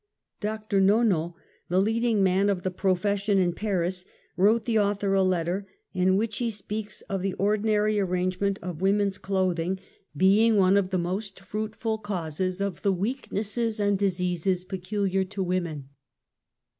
Dr. J^onot, the leading man of the profession in Paris, wrote the author a letter, in which he speaks of the ordinary arrangement of woman's clothing 136 UNMASKED. being one of the most fruitful causes of the weak nesses and diseases peculiar to women.